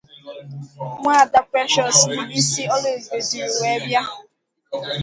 nwaada Precious Ndubuisi Oluebube dùrù wee bịa